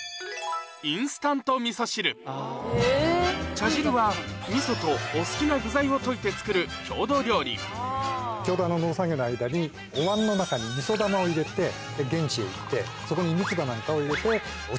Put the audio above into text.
茶汁はみそとお好きな具材を溶いて作る郷土料理農作業の間にお椀の中にみそ玉を入れて現地へ行ってそこに三つ葉なんかを入れてお茶をかけた。